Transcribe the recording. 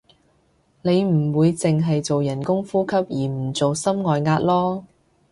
你唔會淨係做人工呼吸而唔做心外壓囉